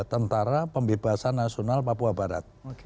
tentara pembebasan nasional papua barat